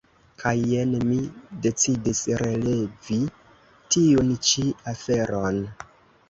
Kaj jen mi decidis relevi tiun ĉi aferon.